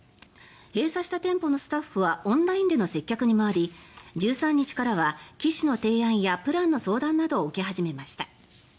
閉鎖した店舗のスタッフはオンラインでの接客に回り１３日からは機種の提案やプランの相談などを受け始めました。